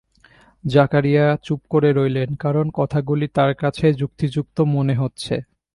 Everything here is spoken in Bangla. জাকারিয়া চুপ করে রইলেন, কারণ কথাগুলি তাঁর কাছে যুক্তিযুক্ত মনে হচ্ছে।